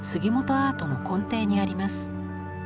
アートの根底にあります。